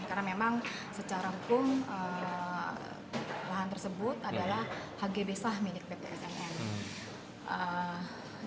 karena memang secara hukum lahan tersebut adalah hg besah minik petri smp